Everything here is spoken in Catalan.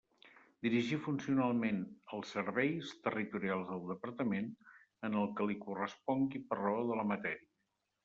Dirigir funcionalment els Serveis Territorials del Departament, en el que li correspongui per raó de la matèria.